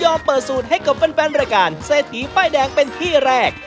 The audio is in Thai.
เปิดสูตรให้กับแฟนรายการเศรษฐีป้ายแดงเป็นที่แรก